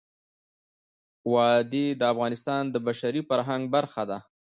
وادي د افغانستان د بشري فرهنګ برخه ده.